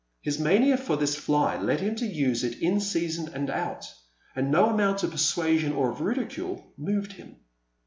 His mania for this fly lead him to use it in season and out, and no amount of persuasion or of ridicule moved him.